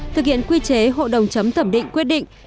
thực hiện quy chế hộ đồng chấm thẩm định quyết định